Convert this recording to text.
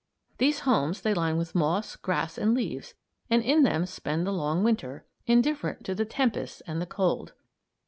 These homes they line with moss, grass, and leaves, and in them spend the long Winter, indifferent to the tempests and the cold.